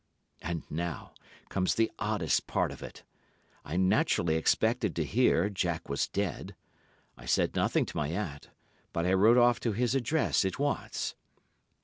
And now comes the oddest part of it. I naturally expected to hear Jack was dead. I said nothing to my aunt, but I wrote off to his address at once.